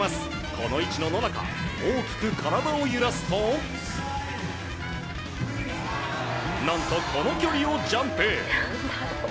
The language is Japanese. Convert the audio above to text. この位置の野中大きく体を揺らすと何とこの距離をジャンプ。